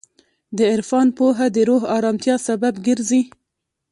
د عرفان پوهه د روح ارامتیا سبب ګرځي.